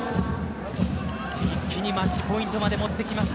一気にマッチポイントまで持ってきました。